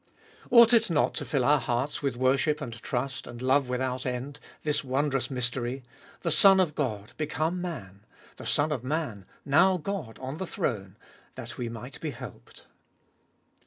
1. Ought it not to fill our hearts with worship and trust, and love without end, this wondrous mystery : the Son of God, become Man ; the Son of Man, now God on the throne ; that we might be helped, 2.